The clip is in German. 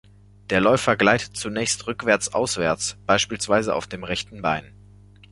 Der Läufer gleitet zunächst rückwärts-auswärts, beispielsweise auf dem rechten Bein.